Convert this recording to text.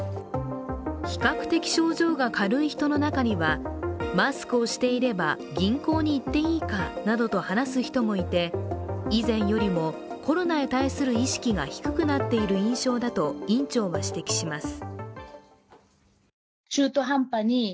比較的症状が軽い人の中にはマスクをしていれば銀行に行っていいかなどと話す人もいて以前よりもコロナへ対する意識が低くなっている印象だと院長は指摘します。